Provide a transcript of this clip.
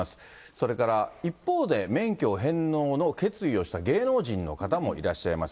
それから、一方で免許返納の決意をした芸能人の方もいらっしゃいます。